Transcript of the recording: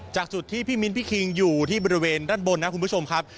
จากจุดที่พี่มิ้นพี่คิงอยู่ที่บริเวณด้านบนนะคุณผู้ชมครับ